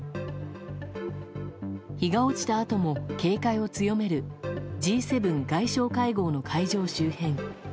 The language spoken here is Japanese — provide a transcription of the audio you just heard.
日が落ちたあとも警戒を強めるＧ７外相会合の会場周辺。